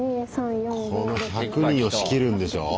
この１００人を仕切るんでしょ？